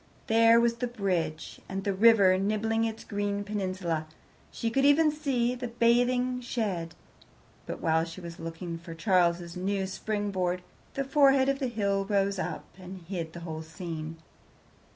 There was the bridge, and the river nibbling its green peninsula. She could even see the bathing shed, but while she was looking for Charles's new springboard, the forehead of the hill rose up and hid the whole scene.